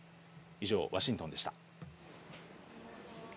以上、ワシントンでした。